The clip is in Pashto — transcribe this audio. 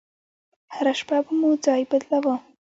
هره شپه به مو ځاى بدلاوه.